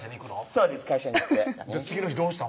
そうです会社に行って次の日どうしたん？